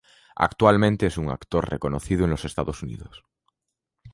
Actualmente es un actor reconocido en los Estados Unidos.